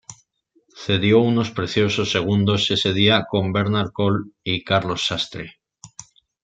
Cedió unos preciosos segundos ese día con Bernhard Kohl y Carlos Sastre.